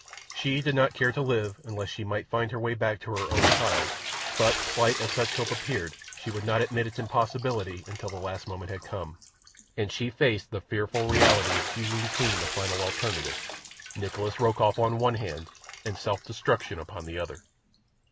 She did not care to live unless she might find her way back to her own child, but slight as such a hope appeared she would not admit its impossibility until the last moment had come, and she faced the fearful reality of choosing between the final alternatives—Nikolas Rokoff on one hand and self destruction upon the other.